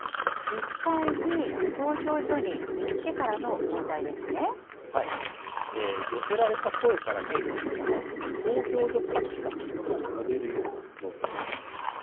実際に投票所に行ってから寄せられた声から見えてきたのは、投票所格差と呼べるような状況です。